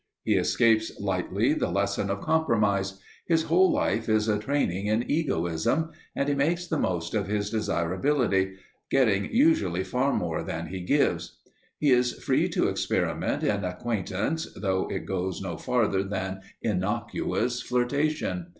He escapes lightly the lesson of compromise; his whole life is a training in egoism, and he makes the most of his desirability, getting usually far more than he gives. He is free to experiment in acquaintance though it goes no farther than innocuous flirtation.